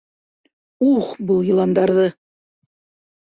—Ух, был йыландарҙы!